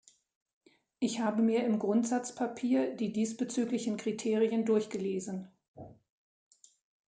Ich habe mir im Grundsatzpapier die diesbezüglichen Kriterien durchgelesen.